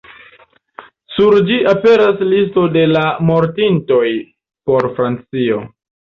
Sur ĝi aperas listo de la mortintoj por Francio.